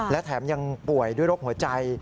และแถมยังป่วยด้วยโรคหัวใจ